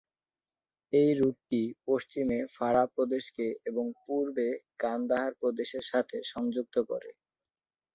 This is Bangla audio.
এই রুটটি পশ্চিমে ফারাহ প্রদেশকে এবং পূর্বে কান্দাহার প্রদেশের সাথে সংযুক্ত করে।